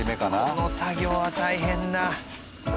この作業は大変だ。